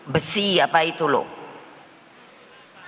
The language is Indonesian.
besi apa itu loh